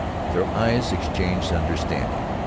Their eyes exchanged understanding.